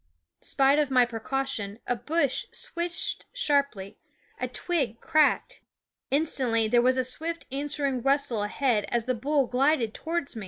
Spite of my precaution, a bush swished sharply; a twig cracked. Instantly there was a swift answering rustle ahead as the bull glided towards me.